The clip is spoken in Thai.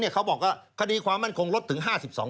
เขาบอกว่าคดีความมั่นคงลดถึง๕๒